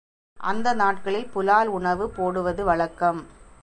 அந்த நாட்களில் புலால் உணவு போடுவது வழக்கம்.